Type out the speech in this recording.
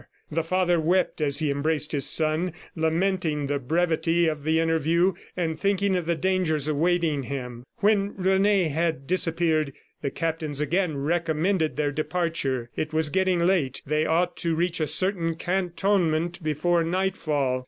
The father wept as he embraced his son, lamenting the brevity of the interview, and thinking of the dangers awaiting him. When Rene had disappeared, the captains again recommended their departure. It was getting late; they ought to reach a certain cantonment before nightfall.